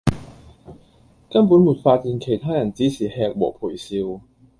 根本沒發現其他人只是吃和陪笑